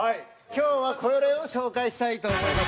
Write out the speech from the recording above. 今日はこれを紹介したいと思います。